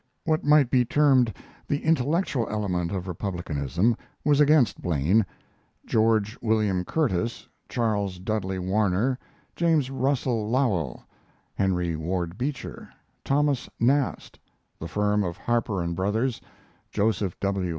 What might be termed the intellectual element of Republicanism was against Blame: George William Curtis, Charles Dudley Warner, James Russell Lowell, Henry Ward Beecher, Thomas Nast, the firm of Harper & Brothers, Joseph W.